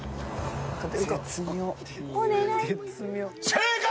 正解！